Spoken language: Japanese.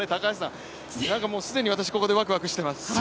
既に私、ここでワクワクしてます。